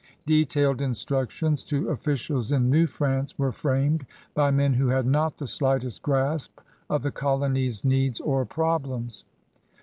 Detailed instructions to officials in New France were framed by men who had not the slightest grasp of the colony's needs or problems.